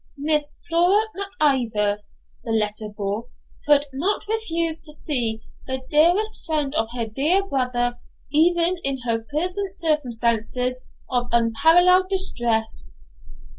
'Miss Flora Mac Ivor,' the letter bore, 'could not refuse to see the dearest friend of her dear brother, even in her present circumstances of unparalleled distress.'